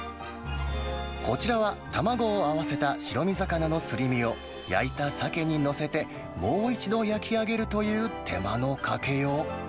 こちらは卵を合わせた白身魚のすり身を、焼いたサケに載せて、もう一度焼き上げるという手間のかけよう。